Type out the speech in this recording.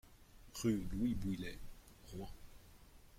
Rue Louis Bouilhet, Rouen